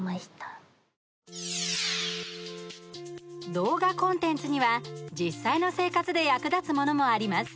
動画コンテンツには実際の生活で役立つものもあります。